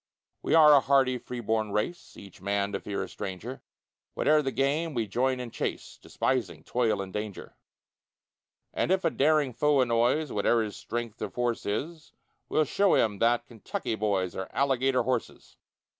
We are a hardy free born race, Each man to fear a stranger; Whate'er the game, we join in chase, Despising toil and danger: And if a daring foe annoys, Whate'er his strength or force is, We'll show him that Kentucky boys Are Alligator horses.